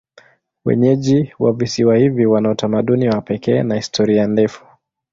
Wenyeji wa visiwa hivi wana utamaduni wa pekee na historia ndefu.